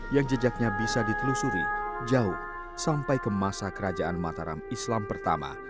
yang jejaknya bisa ditelusuri jauh sampai ke masa kerajaan mataram islam pertama